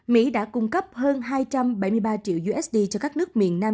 mỹ đã cung cấp hơn hai trăm bảy mươi ba triệu usd cho các nước miền nam